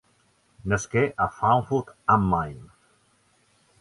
Nasqué a Frankfurt am Main.